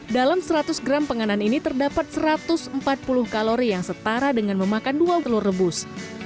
dalam seratus gram penganan ini terdapat satu ratus empat puluh kalori yang setara dengan memakan dua telur rebus